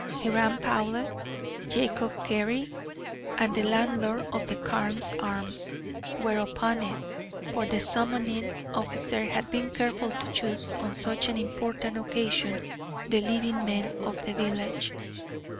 Hiram Powlett, Jacob Carey, and the landlord of the "Carne's Arms" were upon it, for the summoning officer had been careful to choose on such an important occasion the leading men of the village.